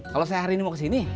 kalau saya hari ini mau kesini